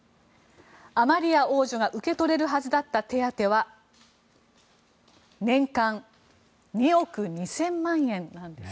アマリア王女が受け取れるはずだった手当は年間２億２０００万円なんです。